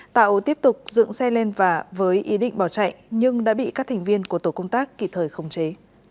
tạo tiếp tục dựng xe lên và với ý định bỏ chạy nhưng đã bị các thành viên của tổ công tác kỳ thời khống chế